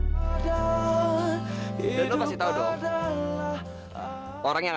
jangan lupa like share dan subscribe ya